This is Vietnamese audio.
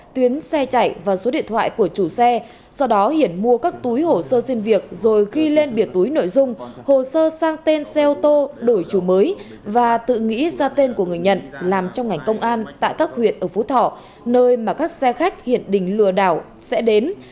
tuyến xe chạy và số điện thoại của chủ xe sau đó hiển mua các túi hồ sơ xin việc rồi ghi lên bìa túi nội dung hồ sơ sang tên xe ô tô đổi chủ mới và tự nghĩ ra tên của người nhận làm trong ngành công an tại các huyện ở phú thọ nơi mà các xe khách hiển đình lừa đảo sẽ đến